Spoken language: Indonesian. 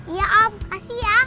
iya om kasih ya